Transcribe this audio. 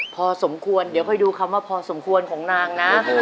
พอสมควรเดี๋ยวค่อยดูคำว่าพอสมควรของนางนะ